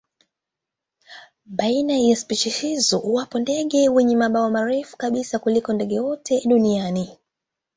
Baina ya spishi hizi yuko ndege wenye mabawa marefu kabisa kuliko ndege wote duniani.